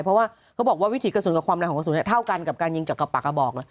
เพราะว่าก็บอกว่าวิถีกระสุนกับความร้ายของกระสุนเนี่ยเท่ากันกับการยิงจากกับปากกระบอก